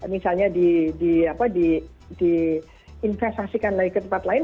misalnya diinvestasikan lagi ke tempat lain